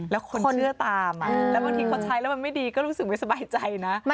แล้วคนเนื้อตามแล้วบางทีเขาใช้แล้วมันไม่ดีก็รู้สึกไม่สบายใจนะ